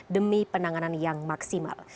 demi penanganan yang maksimal